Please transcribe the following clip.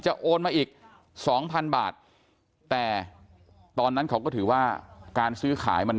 จะโอนมาอีก๒๐๐๐บาทแต่ตอนนั้นเขาก็ถือว่าการซื้อขาย